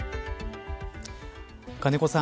金子さん